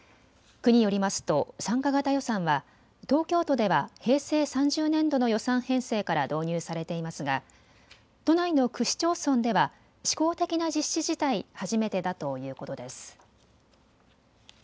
区によりますと参加型予算は東京都では平成３０年度の予算編成から導入されていますが都内の区市町村では試行的な実施自体、初めてだということです。